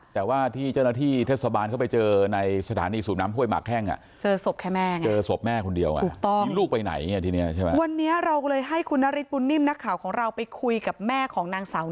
แต่ว่าถ้าใช่จริงแล้วลูกสาวเขาราน